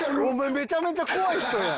めちゃめちゃ怖い人やん！